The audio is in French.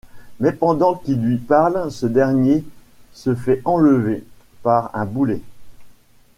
Mais pendant qu'il lui parle ce dernier se fait enlever par un boulet.